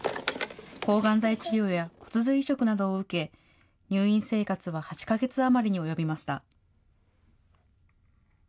抗がん剤治療や骨髄移植などを受け、入院生活は８か月余りに及びました。